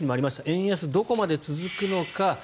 円安どこまで続くのか。